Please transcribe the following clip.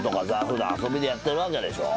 普段遊びでやってるわけでしょ？